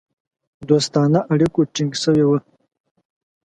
دوستانه اړیکو ټینګ سوي وه.